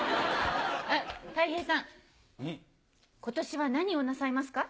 たい平さん今年は何をなさいますか？